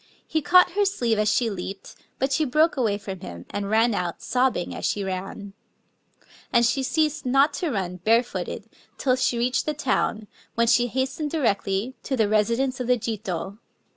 He caught her sleeve as she leaped; but she broke away from him, and ran out, sobbing as she ran. And she ceased not to run, barefooted, till she reached the town, when she hastened direcdy to the resi Digitized by Googk 6S STORY OF A PHEASANT dence of the Jito.